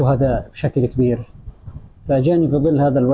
yang saya lihat dengan jaringan saya setiap hari